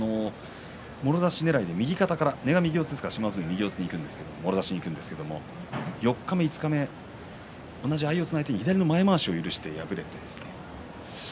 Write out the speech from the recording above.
もろ差しねらいで右肩から根が右四つだから右からもろ差しにいくんですが四日目、五日目同じ相四つの相手に左の前まわしを許して敗れています。